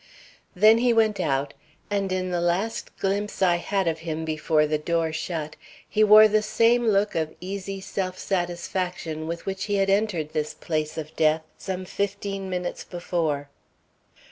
Then he went out, and in the last glimpse I had of him before the door shut he wore the same look of easy self satisfaction with which he had entered this place of death some fifteen minutes before."